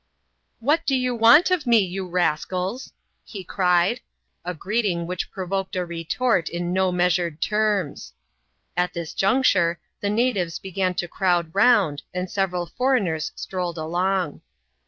" What do you want of me, you rascals ?" he cried — a greet ing which provoked a retort in no measured terms. At this juncture, the natives began to crowd roimd, and several fo reigners strolled along.